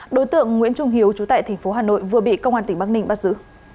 đối tượng nguyễn trung hiếu trú tại tp hà nội vừa bị công an tỉnh bắc ninh bắt giữ